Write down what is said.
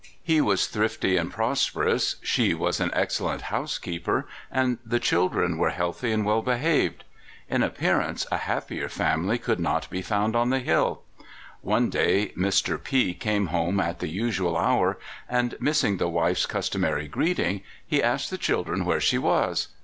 He was thrifty and prosperous, she was an excellent housekeeper, and the children were healthy and well behaved. In appearance a happier family could not be found SUICIDE IN CALIFORNIA. 235 on the hill. One day Mr. P came home at the usual hour, and, missing the wife's customary greeting, he asked ;the children where she was.